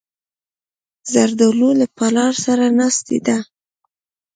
زردالو له پلار سره ناستې ده.